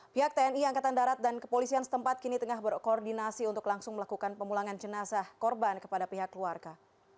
pihak tni angkatan darat dan kepolisian setempat kini tengah berkoordinasi untuk langsung melakukan pemulangan jenazah korban kepada pihak keluarga